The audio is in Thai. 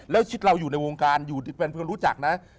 แล้วชิดเราอยู่ในวงการอยู่เป็นเพื่อนรู้จักนะ